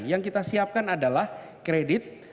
yang kita siapkan adalah kredit